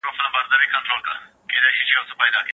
کله د پناه ورکولو حق لغوه کیږي؟